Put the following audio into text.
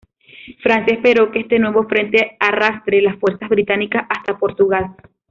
Francia, esperó que este nuevo frente arrastre las fuerzas británicas hasta Portugal.